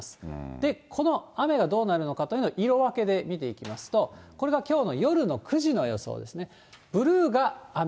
で、この雨がどうなるのかというのを色分けで見ていきますと、これがきょうの夜の９時の予想ですね。